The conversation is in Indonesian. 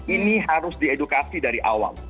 ini harus diedukasi dari awal